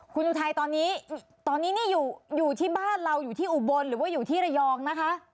คุณอุทัยตอนนี้นี่อยู่ที่บ้านเราอยู่ที่อุบลหรือว่าอยู่ที่ระยองนะคะ